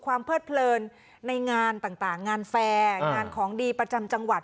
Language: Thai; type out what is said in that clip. เพิดเพลินในงานต่างงานแฟร์งานของดีประจำจังหวัด